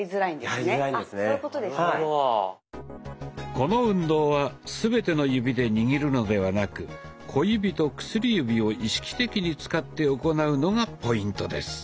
この運動は全ての指で握るのではなく小指と薬指を意識的に使って行うのがポイントです。